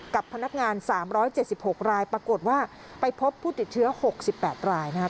กับพนักงานสามร้อยเจสสิบหกรายปรากฏว่าไปพบผู้ติดเชื้อหกสิบแปดรายนะคะ